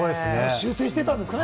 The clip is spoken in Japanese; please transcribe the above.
修正してたんですかね？